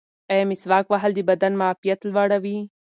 ایا مسواک وهل د بدن معافیت لوړوي؟